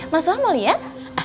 mas suha mau liat